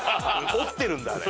織ってるんだあれ。